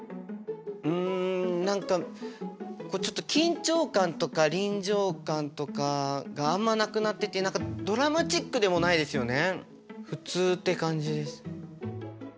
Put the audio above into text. うん何かこうちょっと緊張感とか臨場感とかがあんまなくなってて何かドラマチックでもないですよね。普通って感じです。